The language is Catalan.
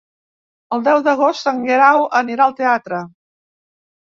El deu d'agost en Guerau anirà al teatre.